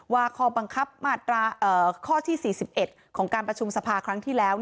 ข้อบังคับมาตราข้อที่๔๑ของการประชุมสภาครั้งที่แล้ว